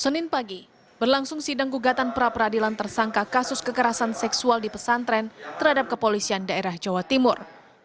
senin pagi berlangsung sidang gugatan pra peradilan tersangka kasus kekerasan seksual di pesantren terhadap kepolisian daerah jawa timur